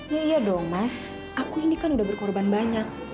iya iya dong mas aku ini kan udah berkorban banyak